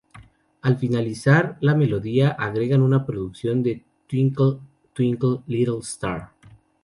Al finalizar la melodía agregan una porción de Twinkle Twinkle Little Star.